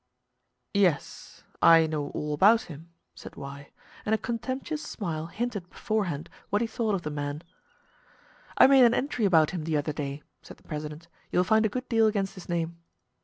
"Yes I know all about him," said Y, and a contemptuous smile hinted beforehand what he thought of the man. "I made an entry about him the other day," said the president. "You will find a good deal against his name."